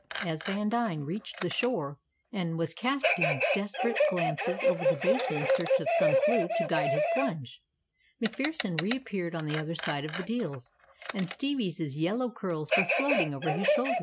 As Vandine reached the shore, and was casting desperate glances over the basin in search of some clue to guide his plunge, MacPherson reappeared at the other side of the deals, and Stevie's yellow curls were floating over his shoulder.